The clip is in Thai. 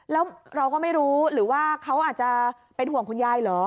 แล้วเราก็ไม่รู้หรือว่าเขาอาจจะเป็นห่วงคุณยายเหรอ